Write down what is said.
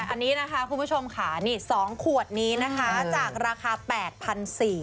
อันนี้นะคะคุณผู้ชมค่ะนี่๒ขวดนี้นะคะจากราคา๘๔๐๐บาท